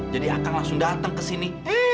jadi akang langsung dateng kesini